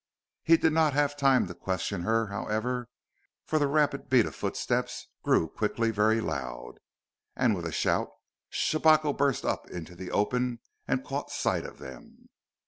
He did not have time to question her, however, for the rapid beat of footsteps grew quickly very loud, and with a shout Shabako burst up into the open and caught sight of them.